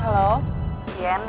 nanti gue bantu